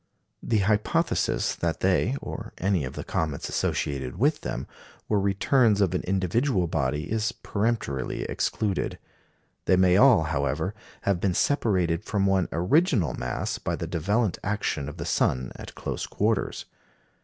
The hypothesis that they, or any of the comets associated with them, were returns of an individual body is peremptorily excluded. They may all, however, have been separated from one original mass by the divellent action of the sun at close quarters.